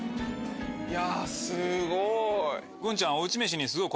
いやすごい。